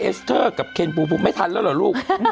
สเตอร์กับเคนปูปูไม่ทันแล้วเหรอลูก